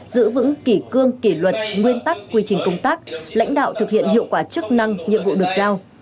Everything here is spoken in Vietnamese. giữ vững kỷ cương kỷ luật nguyên tắc quy trình công tác lãnh đạo thực hiện hiệu quả chức năng nhiệm vụ được giao